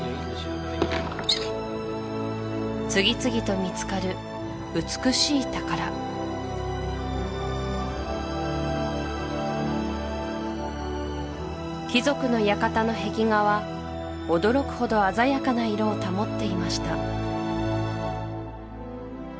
次々と見つかる美しい宝貴族の館の壁画は驚くほど鮮やかな色を保っていました